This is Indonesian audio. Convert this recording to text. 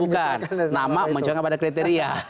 bukan nama menunjukkan pada kriteria